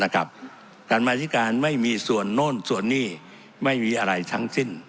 การมาธิการไม่มีส่วนโน่นส่วนนี่ไม่มีอะไรทั้งสิ้น